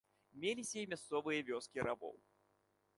Меліся і мясцовыя вёскі рабоў.